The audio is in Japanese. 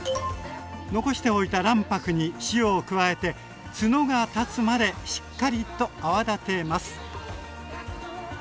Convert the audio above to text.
残しておいた卵白に塩を加えてツノが立つまでしっかりと泡立てます。